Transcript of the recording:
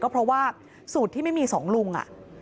เพราะว่าสูตรที่ไม่มีสองลุง